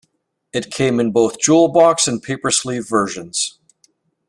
It came in both jewel box and paper sleeve versions.